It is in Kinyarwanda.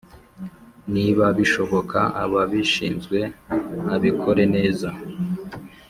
Niba bishoboka ababishinzwe abikore neza